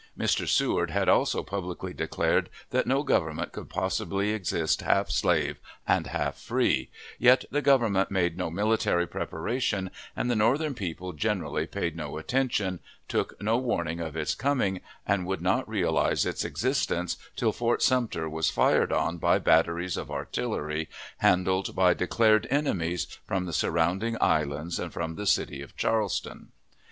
Mr. Seward had also publicly declared that no government could possibly exist half slave and half free; yet the Government made no military preparation, and the Northern people generally paid no attention, took no warning of its coming, and would not realize its existence till Fort Sumter was fired on by batteries of artillery, handled by declared enemies, from the surrounding islands and from the city of Charleston.